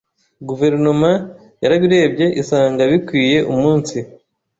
Guverinoma yarabirebye isanga bikwiye umunsi